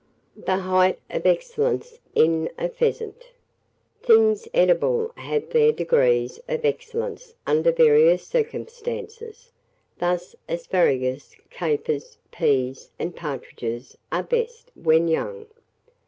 THE HEIGHT OF EXCELLENCE IN A PHEASANT. Things edible have their degrees of excellence under various circumstances: thus, asparagus, capers, peas, and partridges are best when young.